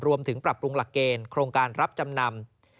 รวมถึงปรับปรุงหลักเกณฑ์โครงการรับจำนำ